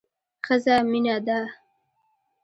ښځه مينه ده